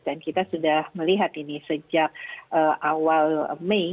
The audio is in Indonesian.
dan kita sudah melihat ini sejak awal mei